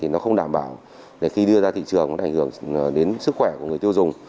nó không đảm bảo để khi đưa ra thị trường nó ảnh hưởng đến sức khỏe của người tiêu dùng